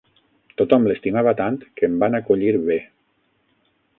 Tothom l'estimava tant que em van acollir bé.